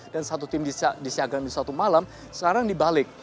dan satu tim disiagakan di satu malam sekarang dibalik